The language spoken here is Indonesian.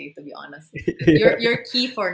untuk jujur anda adalah kunci untuk